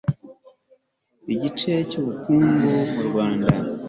igice cy ubukungu mu rwanda